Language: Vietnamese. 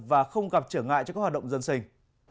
và không gặp trở ngại cho các hoạt động dân sinh